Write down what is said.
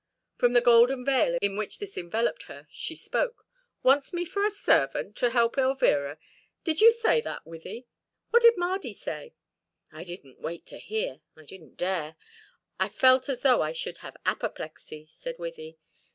From the golden veil in which this enveloped her she spoke: "Wants me for a servant to help Elvira? Did you say that, Wythie? What did Mardy say?" "I didn't wait to hear I didn't dare. I felt as though I should have apoplexy," said Wythie.